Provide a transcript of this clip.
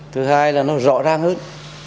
thứ hai là nó rõ ràng hơn